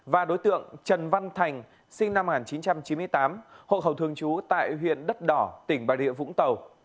và đối tượng trần văn thành sinh năm một nghìn chín trăm chín mươi tám hộ khẩu thường trú tại huyện đất đỏ tỉnh bà rịa vũng tàu